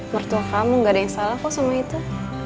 mertua kamu gak ada yang salah kok sama itu